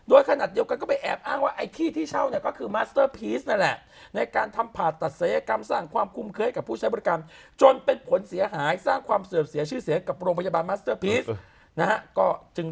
วันดีขึ้นดีเด็กไปเล่นหนังสือเขาจะเดินไปส่ง